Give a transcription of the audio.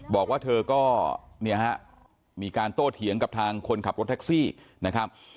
บอกว่าเธอก็เนี่ยฮะมีการโตเถียงกับทางคนขับรถแท็กซี่นะครับ